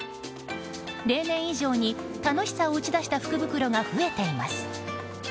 例年以上に、楽しさを打ち出した福袋が増えています。